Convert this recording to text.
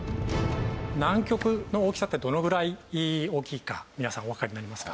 南極の大きさってどのぐらい大きいか皆さんおわかりになりますか？